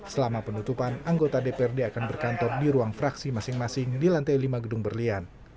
selama penutupan anggota dprd akan berkantor di ruang fraksi masing masing di lantai lima gedung berlian